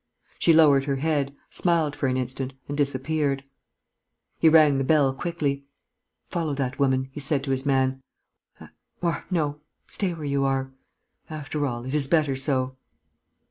She lowered her head, smiled for an instant and disappeared. He rang the bell, quickly: "Follow that woman," he said to his man. "Or no, stay where you are.... After all, it is better so...."